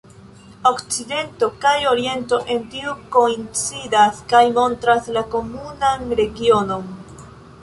Okcidento kaj Oriento en tio koincidas kaj montras la komunan originon.